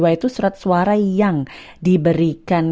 yaitu surat suara yang diberikan